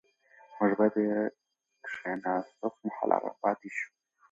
موږ باید د کښېناستو پر مهال ارام پاتې شو.